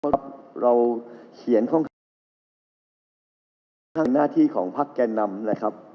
เพราะเราเขียนค่อนข้างหน้าที่ของพักแก่นำนะครับ